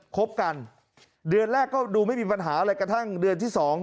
คบกันเดือนแรกก็ดูไม่มีปัญหาอะไรกระทั่งเดือนที่สอง